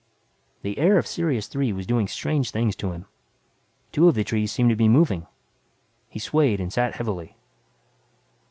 The air of Sirius Three was doing strange things to him. Two of the trees seemed to be moving. He swayed and sat heavily.